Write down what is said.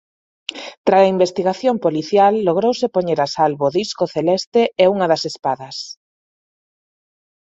Trala investigación policial logrouse poñer a salvo o disco celeste e unha das espadas.